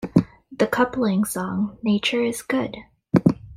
The coupling song, Nature is Good!